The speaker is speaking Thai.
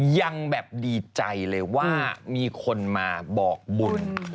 ยังแบบดีใจเลยว่ามีคนมาบอกบุญ